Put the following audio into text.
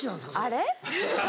あれ？